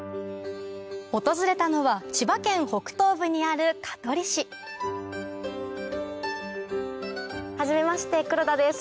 訪れたのは千葉県北東部にある香取市はじめまして黒田です